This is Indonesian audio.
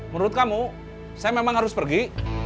menurut kamu saya memang harus pergi